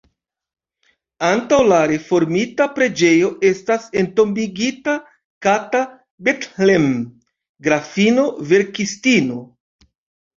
Antaŭ la reformita preĝejo estas entombigita Kata Bethlen, grafino, verkistino.